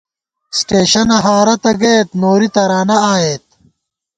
سٹېشَنہ ہارہ تَہ گئیت نوری ترانہ آئیت